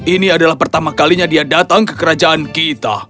ini adalah pertama kalinya dia datang ke kerajaan kita